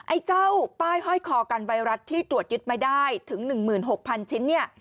ไอ้เจ้าป้ายห้อยคอกันไวรัสที่ตรวจยึดไม่ได้ถึง๑๖๐๐ชิ้นเนี่ย